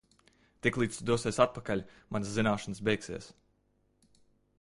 Tiklīdz tu dosies atpakaļ, manas zināšanas beigsies.